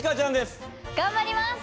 頑張ります！